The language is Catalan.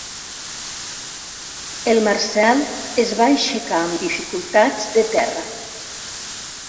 El Marcel es va aixecar amb dificultats de terra.